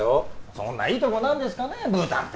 そんないいところなんですかねえブータンって。